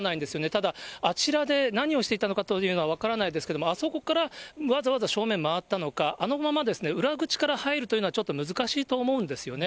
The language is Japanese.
ただ、あちらで何をしていたのかというのは分からないですけれども、あそこからわざわざ正面回ったのか、あのまま裏口から入るというのは、ちょっと難しいと思うんですよね。